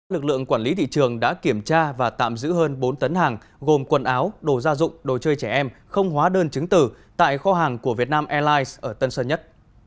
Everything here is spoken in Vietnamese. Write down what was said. lực lượng quản lý thị trường đã kiểm tra và tạm giữ hơn bốn tấn hàng gồm quần áo đồ gia dụng đồ chơi trẻ em không hóa đơn chứng tử tại kho hàng của việt nam airlines ở tân sơn nhất